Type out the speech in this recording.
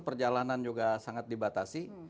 perjalanan juga sangat dibatasi